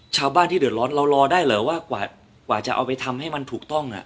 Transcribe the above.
ชาวบ้านที่เดือดร้อนเรารอได้เหรอว่ากว่าจะเอาไปทำให้มันถูกต้อง